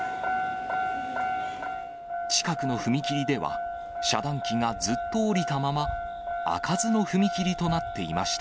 近くの踏切では、遮断機がずっと下りたまま、開かずの踏切となっていました。